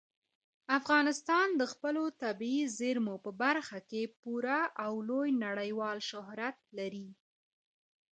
افغانستان د خپلو طبیعي زیرمو په برخه کې پوره او لوی نړیوال شهرت لري.